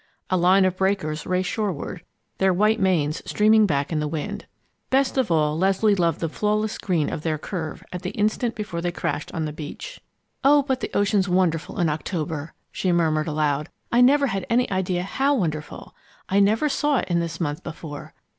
A line of breakers raced shoreward, their white manes streaming back in the wind. Best of all, Leslie loved the flawless green of their curve at the instant before they crashed on the beach. "Oh, but the ocean's wonderful in October!" she murmured aloud. "I never had any idea how wonderful. I never saw it in this month before.